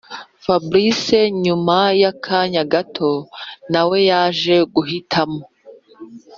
fabric nyuma yakanya gato nawe yaje guhitamo